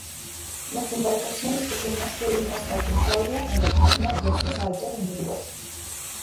Las embarcaciones pequeñas pueden ir hasta Concordia, en Argentina, y hasta Salto, en Uruguay.